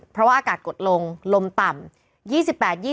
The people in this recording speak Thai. เพราะว่าอากาศกดลงลมต่ำ